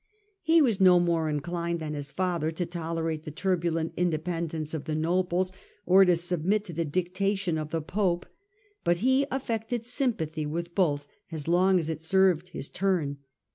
He was no more inclined than his father to tolerate the turbulent independence of the nobles, or to submit to the dicta tion of the pope, but he affected sympathy with both as long as it served his turn.